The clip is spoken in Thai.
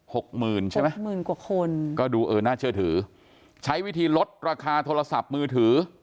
หกหมื่นใช่ไหมก็ดูน่าเชื่อถือใช้วิธีลดราคาโทรศัพท์มือถือ